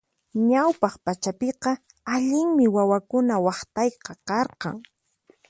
Ñawpaq pachapiqa allinmi wawakuna waqtayqa karqan.